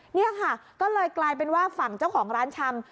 นี่ค่ะก็เลยกลายเป็นว่าฝั่งเจ้าของร้านชำ